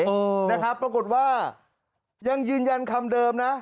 เออนะครับปรากฏว่ายังยืนยันคำเดิมนะ